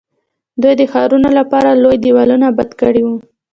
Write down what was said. دوی د ښارونو لپاره لوی دیوالونه اباد کړي وو.